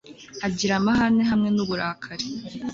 agira amahane hamwe n'uburakari